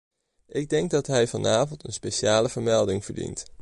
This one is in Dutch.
Ik denk dat hij vanavond een speciale vermelding verdient.